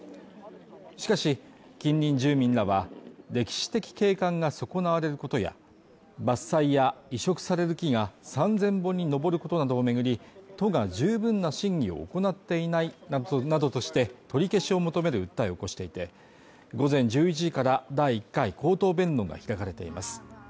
しかし、近隣住民らは歴史的景観が損なわれることや、伐採や移植される木が３０００本に上ることなどを巡り、都が十分な審議を行っていないなどとして取り消しを求める訴えを起こしていて、午前１１時から第１回口頭弁論が開かれています。